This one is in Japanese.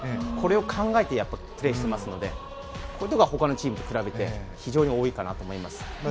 これを考えてプレーしてますのでこういうのがほかのチームと比べて非常に多いかなと思います。